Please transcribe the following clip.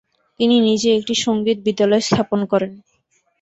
তিনি নিজে একটি সংগীত বিদ্যালয় স্থাপন করেন।